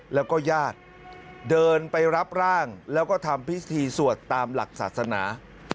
แล้วก็ญาติเดินไปรับร่างแล้วก็ทำพิธีสวดตามหลักศาสนา